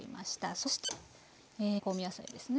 そして香味野菜ですね。